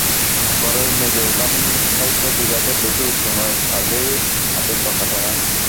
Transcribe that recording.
ঘরের মেঝে উঠান হইতে বিঘাতের বেশি উঁচু নয়, কাজেই আদ্রতা কাটে না।